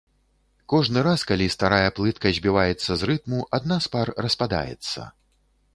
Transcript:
Кожны раз, калі старая плытка збіваецца з рытму, адна з пар распадаецца.